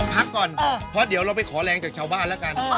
พักก่อนเพราะเดี๋ยวเราไปขอแรงจากชาวบ้านแล้วกัน